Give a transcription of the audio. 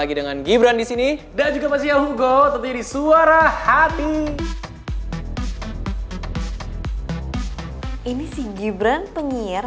ini adalah sikrprise